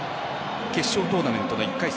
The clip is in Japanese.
決勝トーナメントの１回戦